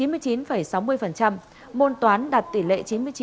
môn toán đạt tỷ lệ chín mươi chín năm mươi ba